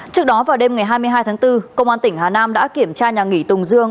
trước đó vào đêm ngày hai mươi hai tháng bốn công an tỉnh hà nam đã kiểm tra nhà nghỉ tùng dương